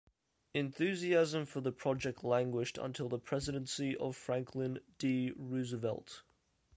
Enthusiasm for the project languished until the presidency of Franklin D. Roosevelt.